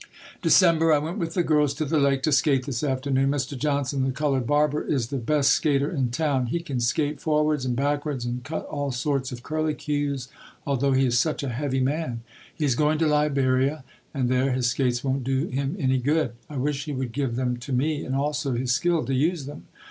December. I went with the girls to the lake to skate this afternoon. Mr. Johnson, the colored barber, is the best skater in town. He can skate forwards and backwards and cut all sorts of curlicues, although he is such a heavy man. He is going to Liberia and there his skates won't do him any good. I wish he would give them to me and also his skill to use them.